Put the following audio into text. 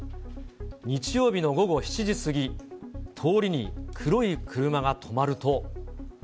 日曜日の午後７時過ぎ、通りに黒い車が止まると。